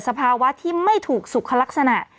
สภาวะที่ไม่ถูกสุขลักษณะ